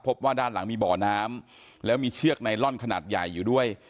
พบว่าด้านหลังมีบ่อน้ำแล้วมีเชือกไนลอนขนาดใหญ่อยู่ด้วย